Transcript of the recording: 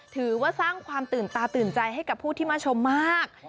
ถือว่าสร้างความตื่นตาตื่นใจให้กับผู้ที่มาชมมาก